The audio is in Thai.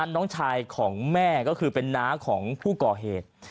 น้องชายของแม่ก็คือเป็นน้าของผู้ก่อเหตุ